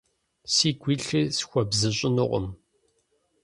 Сигу илъыр схуэбзыщӀынукъым…